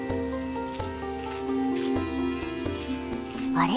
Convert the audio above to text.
あれ？